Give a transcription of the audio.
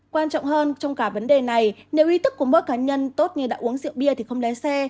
quan trọng hơn trong cả vấn đề này nếu ý thức của mỗi cá nhân tốt như đã uống rượu bia thì không lái xe